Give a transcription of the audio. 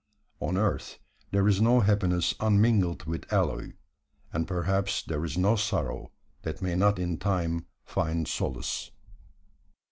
On earth there is no happiness unmingled with alloy; and, perhaps, there is no sorrow that may not in time find solace.